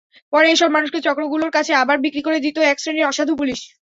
পরে এসব মানুষকে চক্রগুলোর কাছে আবার বিক্রি করে দিত একশ্রেণির অসাধু পুলিশ।